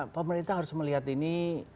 pemerintah harus melihat ini